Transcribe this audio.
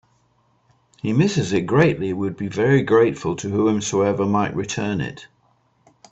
He misses it greatly and would be very grateful to whomsoever might return it.